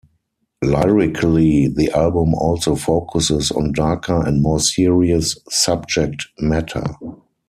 Lyrically, the album also focuses on darker and more serious subject matter.